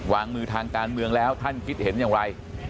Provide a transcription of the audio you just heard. วางมือทางการเมืองแล้วท่านคิดเห็นอย่างไร